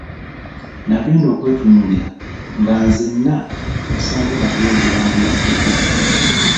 Nagenda okwetunuulira nga nzenna sisaanidde na kuyingira nju ya kkojja.